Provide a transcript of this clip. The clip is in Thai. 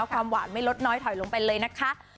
ความหวานไม่ลดน้อยถอยลงไปเลยนะคะ